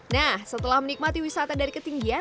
nah setelah menikmati wisata dari ketinggian